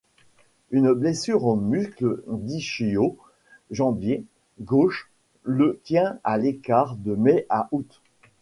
Une blessure au muscles ischio-jambiers gauches le tient à l'écart de mai à août.